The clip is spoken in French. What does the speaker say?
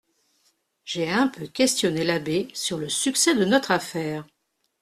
J'ai un peu questionné l'abbé sur le succès de notre affaire.